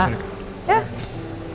terima kasih pak